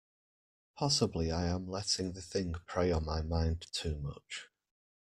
Possibly I am letting the thing prey on my mind too much.